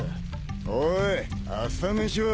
おい朝飯は？